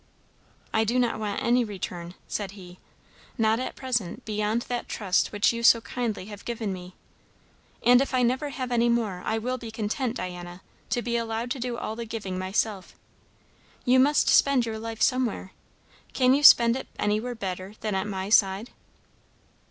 "I do not want any return," said he. "Not at present, beyond that trust which you so kindly have given me. And if I never have any more, I will be content, Diana, to be allowed to do all the giving myself. You must spend your life somewhere. Can you spend it anywhere better than at my side?"